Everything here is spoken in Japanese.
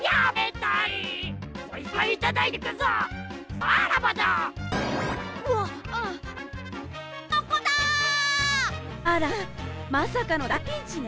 あらあらまさかのだいピンチね！